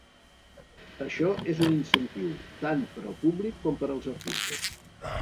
Això és un incentiu tant per al públic com per als artistes.